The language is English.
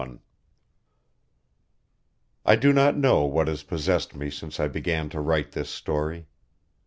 XXI I do not know what has possessed me since I began to write this story.